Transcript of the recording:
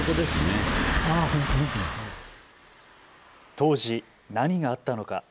当時、何があったのか。